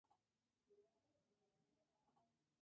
Fundó el Colegio Maristas Sagrado Corazón.